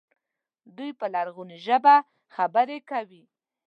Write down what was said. دوی په لرغونې ژبه خبرې کوي.